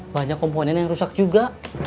banyak komponen yang rusak juga